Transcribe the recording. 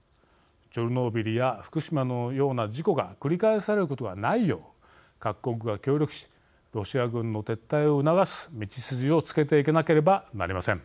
チョルノービリや福島のような事故が繰り返されることがないよう各国が協力しロシア軍の撤退を促す道筋をつけていかなければなりません。